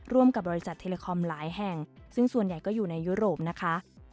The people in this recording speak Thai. กับบริษัทเทเลคอมหลายแห่งซึ่งส่วนใหญ่ก็อยู่ในยุโรปนะคะ